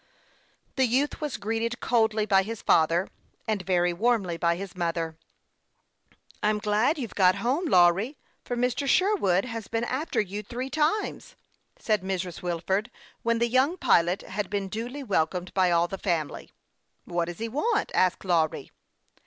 The youth was greeted rather coldly by his father, and very warmly by his mother. " I'm glad you've got home, Lawry, for Mr. Sher wood has been after you three times," said Mrs. Wilford, when the young pilot had been duly wel comed by all the family. "What does he want?" asked Lawry.